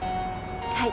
はい。